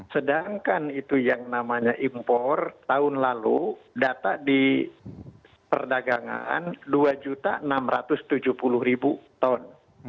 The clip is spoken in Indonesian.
sedangkan itu yang namanya impor tahun lalu data di perdagangan dua enam ratus tujuh puluh ton